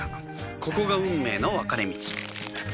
ここが運命の分かれ道